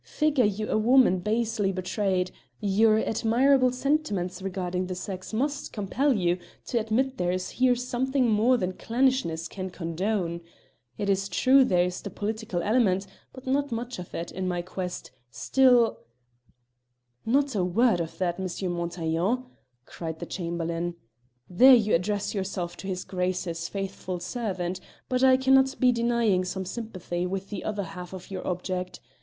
"Figure you a woman basely betrayed; your admirable sentiments regarding the sex must compel you to admit there is here something more than clannishness can condone. It is true there is the political element but not much of it in my quest, still " "Not a word of that, M. Montaiglon!" cried the Chamberlain: "there you address yourself to his Grace's faithful servant; but I cannot be denying some sympathy with the other half of your object.